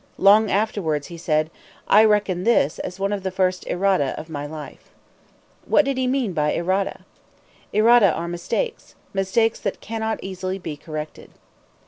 Long afterwards he said: "I reckon this as one of the first errata of my life." What did he mean by errata? Errata are mistakes mistakes that cannot easily be corrected.